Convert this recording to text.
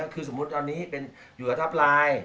คือสมมติตอนนี้อยู่กับทับลาย